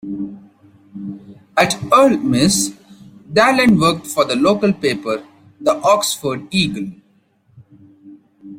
At Ole Miss, Dallen worked for the local paper The Oxford Eagle.